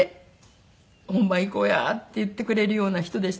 「本番いこうや」って言ってくれるような人でした。